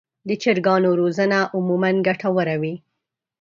د چرګانو روزنه عموماً ګټه وره وي.